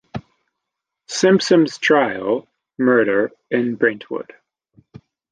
Simpson trial, "Murder in Brentwood".